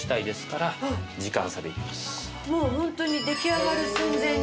もうホントに出来上がる寸前に。